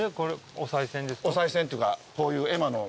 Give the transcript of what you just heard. おさい銭っていうかこういう絵馬の。